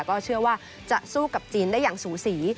ก็เชื่อว่าจะสู้กับจีนได้อย่างสูสี